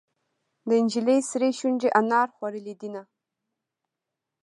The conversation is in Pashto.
د نجلۍ سرې شونډې انار خوړلې دينهه.